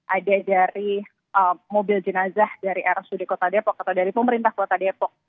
ada dari mobil jenazah dari rsud kota depok atau dari pemerintah kota depok